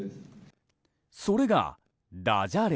それがダジャレ。